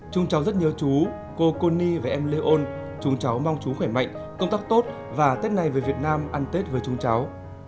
chúng cháu rất nhớ chú cô cô ni và em lê ôn chúng cháu mong chú khỏe mạnh công tác tốt và tết này về việt nam ăn tết với chúng cháu